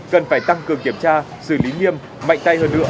cần phải tăng cường kiểm tra xử lý nghiêm mạnh tay hơn nữa